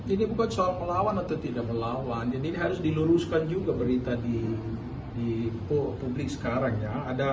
ini bukan soal melawan atau tidak melawan jadi ini harus diluruskan juga berita di publik sekarang ya